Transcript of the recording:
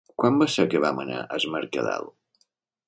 Quan va ser que vam anar a Es Mercadal?